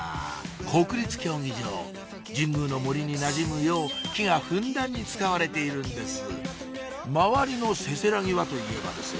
国立競技場神宮の森になじむよう木がふんだんに使われているんです周りのせせらぎはといえばですよ